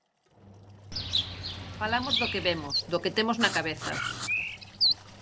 Falamos do que vemos, do que temos na cabeza.